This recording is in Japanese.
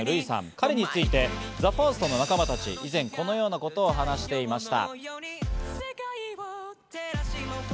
彼についてＴＨＥＦＩＲＳＴの仲間たち、以前このようなことを話していました。